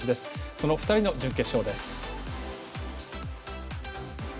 その２人の準決勝です。